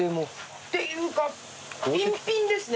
っていうかピンピンですね。